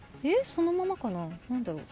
そのままかな何だろう？